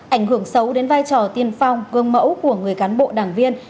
ảnh hưởng xấu đến vai trò tiên phong gương mẫu của người cán bộ đảng viên